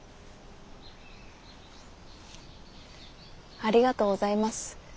ありがとうございます。